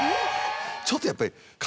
ちょっとやっぱり。